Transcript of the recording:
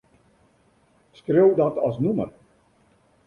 Skriuw dat as nûmer.